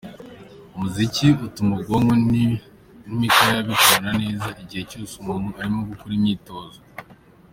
Umuziki utuma ubwonko n’imikaya bikorana neza igihe cyose umuntu arimo gukora imyitozo.